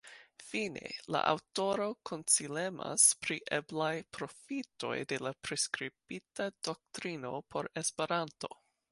Fine, la aŭtoro konsilemas pri eblaj profitoj de la priskribita doktrino por Esperanto.